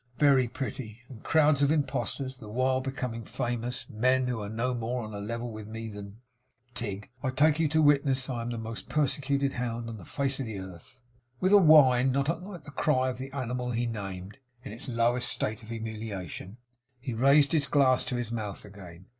'Very pretty! And crowds of impostors, the while, becoming famous; men who are no more on a level with me than Tigg, I take you to witness that I am the most persecuted hound on the face of the earth.' With a whine, not unlike the cry of the animal he named, in its lowest state of humiliation, he raised his glass to his mouth again.